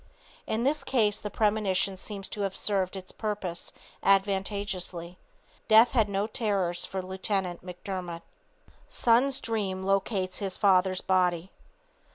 In this case the premonition seems to have served its purpose advantageously. Death had no terrors for Lieutenant McDermott. SON'S DREAM LOCATES HIS FATHER'S BODY.